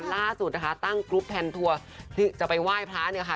ล่าสุดนะคะตั้งกรุ๊ปแทนทัวร์ที่จะไปไหว้พระเนี่ยค่ะ